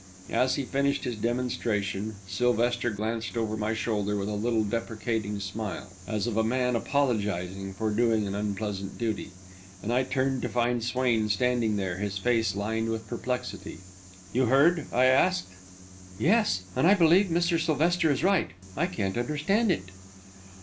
As he finished his demonstration, Sylvester glanced over my shoulder with a little deprecating smile, as of a man apologising for doing an unpleasant duty, and I turned to find Swain standing there, his face lined with perplexity. "You heard?" I asked. "Yes; and I believe Mr. Sylvester is right. I can't understand it."